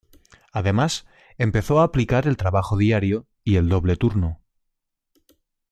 Además empezó a aplicar el trabajo diario y el doble turno.